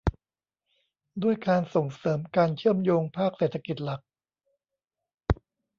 ด้วยการส่งเสริมการเชื่อมโยงภาคเศรษฐกิจหลัก